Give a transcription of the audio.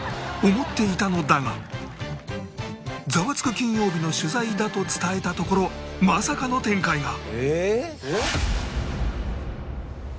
思っていたのだが『ザワつく！金曜日』の取材だと伝えたところまさかの展開が！